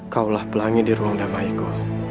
kaulah pelangi di ruang damaiku